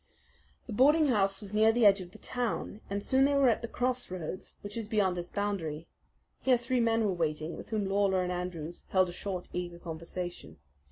The boarding house was near the edge of the town, and soon they were at the crossroads which is beyond its boundary. Here three men were waiting, with whom Lawler and Andrews held a short, eager conversation.